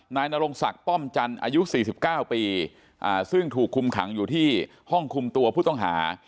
นายนรงศักดิ์ป้อมจันทร์อายุ๔๙ปีซึ่งถูกคุมขังอยู่ที่ห้องคุมตัวผู้ต้องหา